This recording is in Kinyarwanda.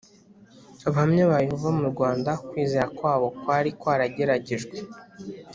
abahamya ba Yehova mu Rwanda Ukwizera kwabo kwari kwageragejwe